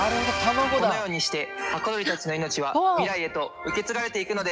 このようにして箱鳥たちの命は未来へと受け継がれていくのです！